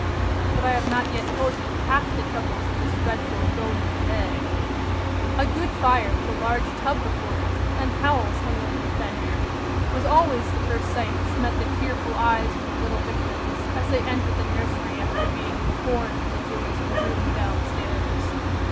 "But I have not yet told you half the troubles of this dreadful 'going to bed.' A good fire with a large tub before it, and towels hung over the fender, was always the first sight which met the tearful eyes of the little Victims as they entered the nursery after being torn from the joys of the room down stairs.